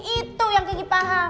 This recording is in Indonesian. itu yang gigi paham